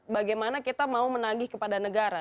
bagaimana kita mau menagih kepada negara